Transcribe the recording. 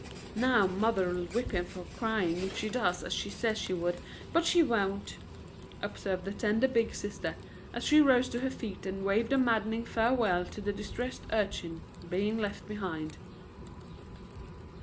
"Now mother'll whip him for crying if she does as she says she would, but she won't," observed the tender big sister, as she rose to her feet and waved a maddening farewell to the distressed urchin being left behind.